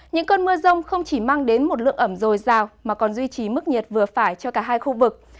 những cơn mưa rông không chỉ mang đến một lượng ẩm dồi dào mà còn duy trì mức nhiệt vừa phải cho cả hai khu vực